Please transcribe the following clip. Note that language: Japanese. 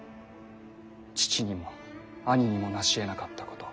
父にも兄にも成しえなかったこと。